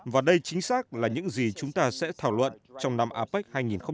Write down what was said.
và đây chính xác là những gì chúng ta sẽ thảo luận trong năm apec hai nghìn hai mươi